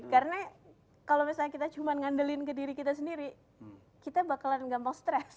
karena kalau misalnya kita cuma ngandelin ke diri kita sendiri kita bakalan gampang stress